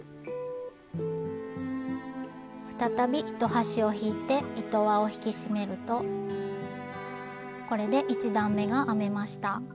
再び糸端を引いて糸輪を引き締めるとこれで１段めが編めました。